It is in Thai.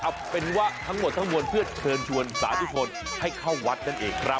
เอาเป็นว่าทั้งหมดทั้งมวลเพื่อเชิญชวนสาธุชนให้เข้าวัดนั่นเองครับ